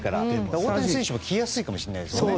大谷選手も来やすいかもしれないですね。